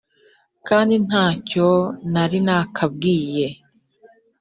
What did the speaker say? kandi nta cyo nari nakabwiye